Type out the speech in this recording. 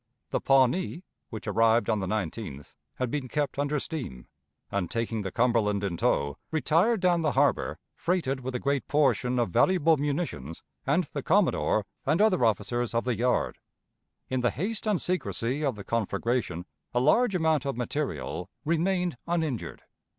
The Pawnee, which arrived on the 19th, had been kept under steam, and, taking the Cumberland in tow, retired down the harbor, freighted with a great portion of valuable munitions and the commodore and other officers of the yard. In the haste and secrecy of the conflagration, a large amount of material remained uninjured.